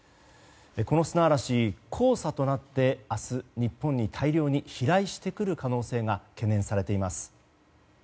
この砂嵐、黄砂となって明日、日本に大量に飛来してくる可能性が懸念されています。